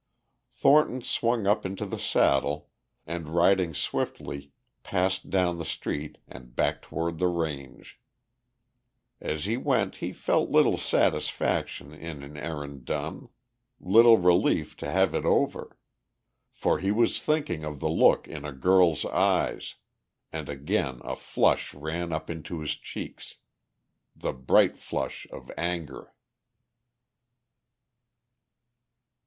Thornton swung up into the saddle, and riding swiftly, passed down the street and back toward the range. As he went he felt little satisfaction in an errand done, little relief to have it over. For he was thinking of the look in a girl's eyes, and again a flush ran up into his cheeks, the bright flush of anger.